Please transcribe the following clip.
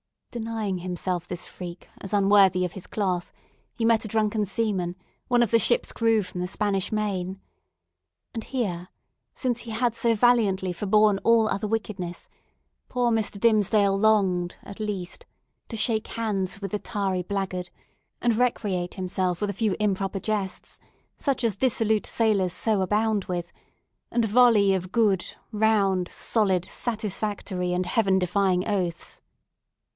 Denying himself this freak, as unworthy of his cloth, he met a drunken seaman, one of the ship's crew from the Spanish Main. And here, since he had so valiantly forborne all other wickedness, poor Mr. Dimmesdale longed at least to shake hands with the tarry blackguard, and recreate himself with a few improper jests, such as dissolute sailors so abound with, and a volley of good, round, solid, satisfactory, and heaven defying oaths!